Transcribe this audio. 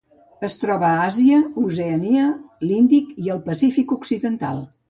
Es troba a Àsia, Oceania, l'Índic i el Pacífic occidental.